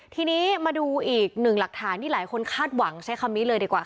ทีนี้มาดูอีกหนึ่งหลักฐานที่หลายคนคาดหวังใช้คำนี้เลยดีกว่าค่ะ